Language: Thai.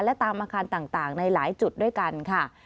และตามอาคารต่างในหลายจุดด้วยกันค่ะ